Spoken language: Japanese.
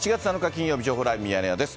金曜日、情報ライブミヤネ屋です。